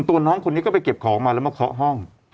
ตัวน้องคนนี้ก็ไปเก็บของมาแล้วมาเคาะห้อง